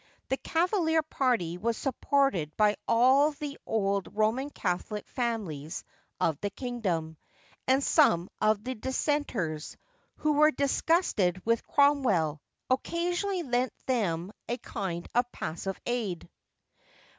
The Cavalier party was supported by all the old Roman Catholic families of the kingdom; and some of the Dissenters, who were disgusted with Cromwell, occasionally lent them a kind of passive aid.